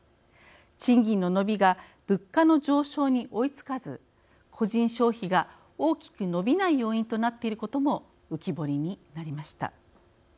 賃金の伸びが物価の上昇に追いつかず個人消費が大きく伸びない要因となっていることも浮き彫りになりました。